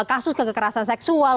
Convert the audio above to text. kasus kekerasan seksual